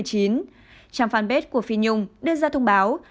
trang fanpage của phi nhung đưa ra thông báo